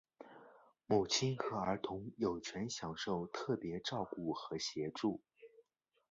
母亲和儿童有权享受特别照顾和协助。